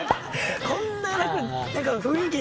こんな何か雰囲気いい。